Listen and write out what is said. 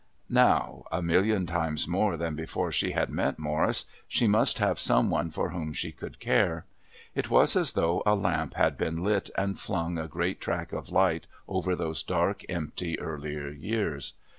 Now, a million times more than before she had met Morris, she must have some one for whom she could care. It was as though a lamp had been lit and flung a great track of light over those dark, empty earlier years.